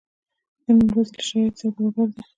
د نني ورځی له شرایطو سره برابره ده.